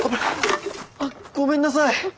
あっごめんなさい！